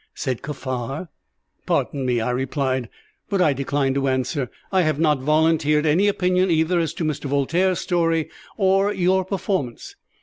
said Kaffar. "Pardon me," I replied, "but I decline to answer. I have not volunteered any opinion either as to Mr. Voltaire's story or your performance.